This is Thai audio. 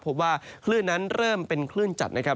พบว่าคลื่นนั้นเริ่มเป็นคลื่นจัดนะครับ